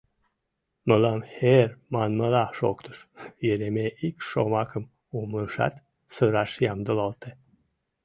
— Мылам «хер» манмыла шоктыш, — Еремей ик шомакым умылышат, сыраш ямдылалте.